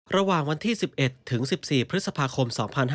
ระหว่างวันที่๑๑ถึง๑๔พฤษภาคม๒๕๕๙